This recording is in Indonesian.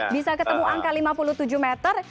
bisa ketemu angka lima puluh tujuh meter